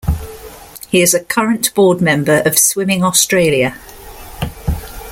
He is a current board member of Swimming Australia.